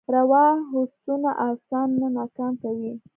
روا هوسونه انسان نه ناکام کوي.